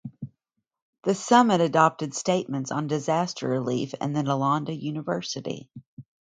The summit adopted statements on disaster relief and the Nalanda University.